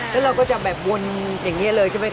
แล้วเราก็จะแบบวนอย่างนี้เลยใช่ไหมคะ